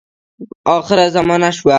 آخره زمانه سوه .